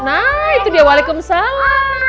nah itu dia waalaikumsalam